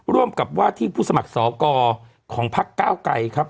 ร่วมกับว่าที่ผู้สมัครสอกรของพักเก้าไกรครับ